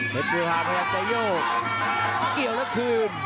เพชรภาพยักษ์จะโยกเกี่ยวแล้วคืน